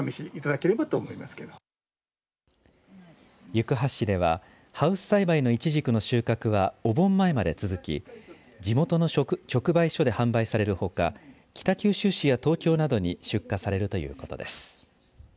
行橋市ではハウス栽培のいちじくの収穫はお盆前まで続き地元の直売所で販売されるほか北九州市や東京などに出荷されるということです。